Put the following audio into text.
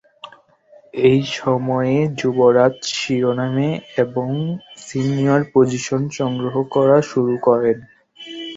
এই সময়ে, যুবরাজ শিরোনাম এবং সিনিয়র পজিশন সংগ্রহ করা শুরু করেন।